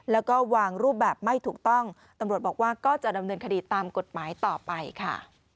แล้วก็วางรูปแบบไม่ถูกต้องตำรวจบอกว่าก็จะดำเนินคดีตามกฎหมายต่อไปค่ะ